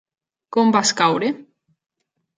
Com vas caure?